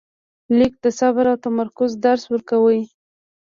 لیک د صبر او تمرکز درس ورکاوه.